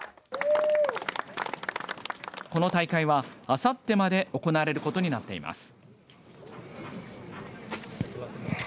この大会は、あさってまで行われることになっています。